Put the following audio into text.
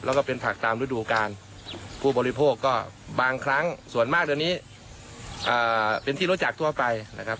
แล้วก็เป็นผักตามฤดูกาลผู้บริโภคก็บางครั้งส่วนมากเดี๋ยวนี้เป็นที่รู้จักทั่วไปนะครับ